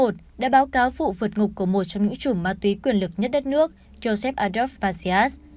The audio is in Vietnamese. đã báo cáo vụ vượt ngục của một trong những chủ má túy quyền lực nhất đất nước joseph adolf macias